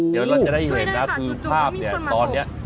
เดี๋ยวเราจะได้เห็นนะคือภาพเนี่ยตอนนี้